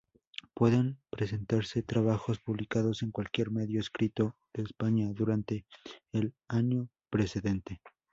Pueden presentarse trabajos publicados en cualquier medio escrito de España durante el año precedente.